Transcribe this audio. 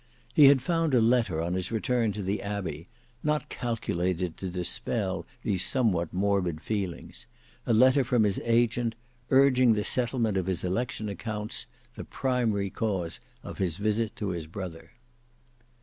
He had found a letter on his return to the Abbey, not calculated to dispel these somewhat morbid feelings; a letter from his agent, urging the settlement of his election accounts, the primary cause of his visit to his brother.